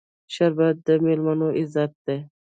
شربت د میلمنو عزت دی